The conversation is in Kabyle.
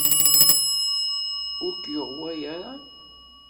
Ur k-yuɣ wayra?